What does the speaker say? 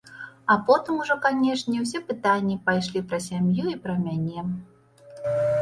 А потым ужо, канешне, усе пытанні пайшлі пра сям'ю і пра мяне.